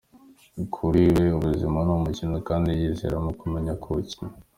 Kuri we ubuzima ni nk’umukino kandi yiyizera mu kumenya kuwukina.